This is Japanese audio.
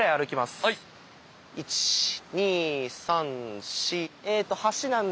１２３４